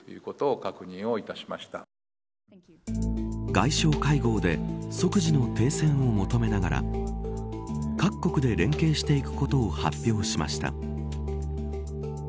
外相会合で即時の停戦を求めながら各国で連携していくことを発表しました。